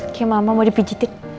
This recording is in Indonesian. oke mama mau dipijitin